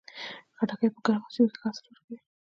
خټکی په ګرمو سیمو کې ښه حاصل ورکوي.